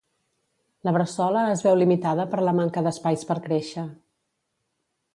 La Bressola es veu limitada per la manca d'espais per créixer.